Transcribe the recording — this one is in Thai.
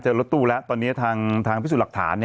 รถตู้แล้วตอนนี้ทางพิสูจน์หลักฐาน